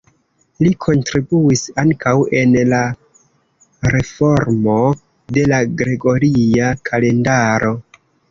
Li kontribuis ankaŭ en la reformo de la Gregoria kalendaro.